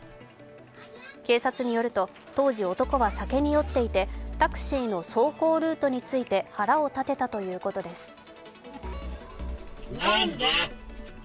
警察によると、当時、男は酒に酔っていてタクシーの走行ルートについて腹を立てたということです。